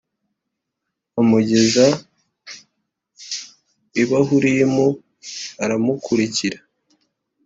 amugeza i Bahurimu aramukurikira